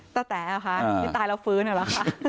แต๋เหรอคะที่ตายแล้วฟื้นเหรอคะ